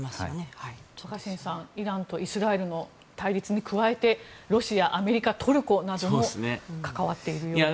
若新さん、イランとイスラエルの対立に加えてロシア、アメリカ、トルコなども関わっているようです。